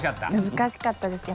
難しかったです。